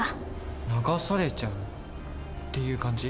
流されちゃうっていう感じ？